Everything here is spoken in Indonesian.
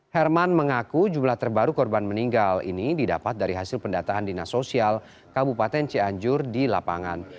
herman mengaku jumlah terbaru korban meninggal ini didapat dari hasil pendataan dinas sosial kabupaten cianjur di lapangan